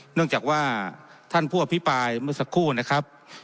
เนื่องจากว่าท่านผู้อภิปรายเมื่อสักครู่นะครับ